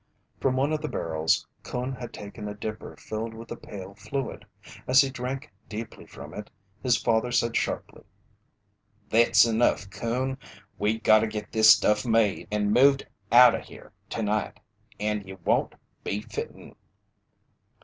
From one of the barrels, Coon had taken a dipper filled with the pale fluid. As he drank deeply from it, his father said sharply: "Thet's enough, Coon! We gotta git this stuff made an moved out o' here tonight, and ye won't be fitten."